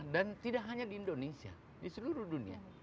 tidak hanya di indonesia di seluruh dunia